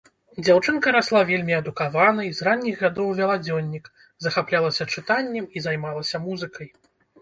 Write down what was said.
Дзяўчынка расла вельмі адукаванай, з ранніх гадоў вяла дзённік, захаплялася чытаннем і займалася музыкай.